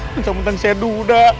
tentang tentang saya duda